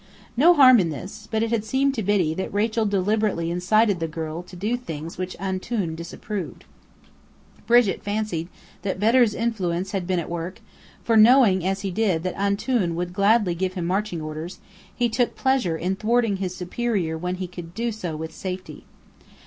No harm in this; but it had seemed to Biddy that Rachel deliberately incited the girl to do things which "Antoun" disapproved. Brigit fancied that Bedr's influence had been at work, for knowing as he did that "Antoun" would gladly have given him marching orders, he took pleasure in thwarting his superior when he could do so with safety.